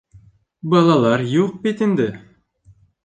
Балалар юҡ бит инде.